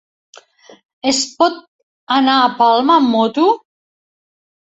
Es pot anar a Palma amb moto?